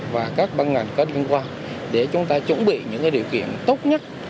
và các băng ngành có liên quan để chúng ta chuẩn bị những điều kiện tốt nhất